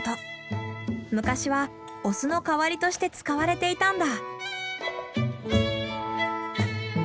昔はお酢の代わりとして使われていたんだ。